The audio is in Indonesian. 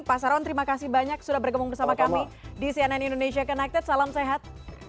pak saron terima kasih banyak sudah bergabung bersama kami di cnn indonesia connected salam sehat